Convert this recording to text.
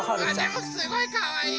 でもすごいかわいい！